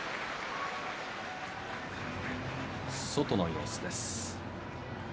外の様子です。